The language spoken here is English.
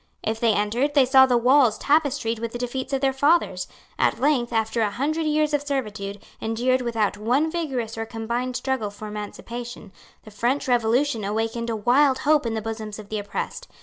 If they entered, they saw the walls tapestried with the defeats of their fathers. At length, after a hundred years of servitude, endured without one vigorous or combined struggle for emancipation, the French revolution awakened a wild hope in the bosoms of the oppressed.